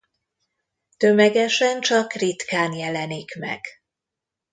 Tömegesen csak ritkán jelenik meg.